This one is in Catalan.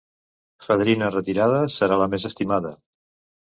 Fadrina retirada serà la més estimada.